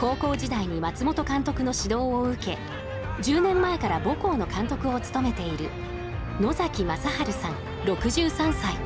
高校時代に松本監督の指導を受け１０年前から母校の監督を務めている野崎正治さん、６３歳。